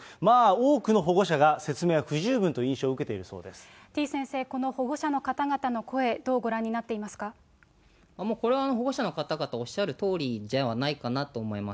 まあ、多くの保護者が説明は不十分という印象を受けているそうでてぃ先生、この保護者の方々もうこれは保護者の方々おっしゃるとおりではないかなと思います。